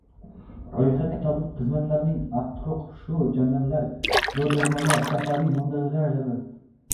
Ro‘yxatga tibbiy xizmatlarning aniq turlari, shu jumladan dori-darmonlar, sarflash materiallari va tibb